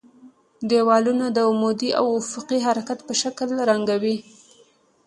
دېوالونه د عمودي او افقي حرکت په شکل رنګوي.